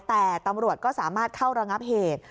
แต่ตำรวจก็สามารถเข้าระงับเหตุ